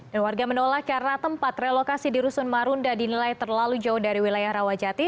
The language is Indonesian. dan warga menolak karena tempat relokasi di rusun marunda dinilai terlalu jauh dari wilayah rawajati